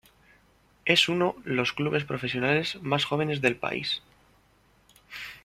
Es uno los clubes profesionales más jóvenes del país.